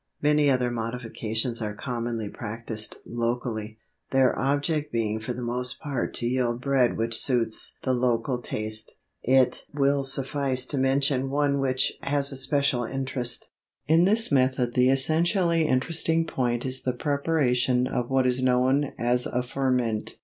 Many other modifications are commonly practised locally, their object being for the most part to yield bread which suits the local taste. It will suffice to mention one which has a special interest. In this method the essentially interesting point is the preparation of what is known as a ferment.